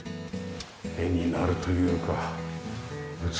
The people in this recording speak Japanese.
絵になるというか美しい。